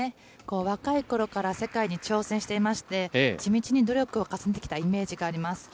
若いころから世界に挑戦していまして、地道に努力を重ねてきたイメージがあります。